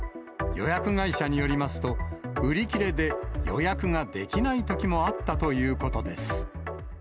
予約会社によりますと、売り切れで予約ができないときもあったということです。